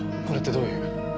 これってどういう？